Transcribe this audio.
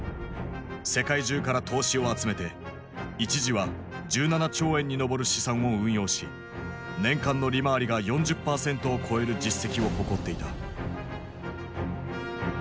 世界中から投資を集めて一時は１７兆円に上る資産を運用し年間の利回りが４０％を超える実績を誇っていた。